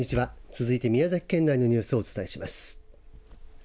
続いて宮崎県内のニュースをお伝えします。